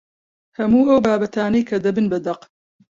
هەموو ئەو بابەتانەی کە دەبن بە دەق